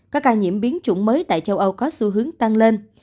có ca nhiễm biến chủng mới tại châu âu có xu hướng tăng lên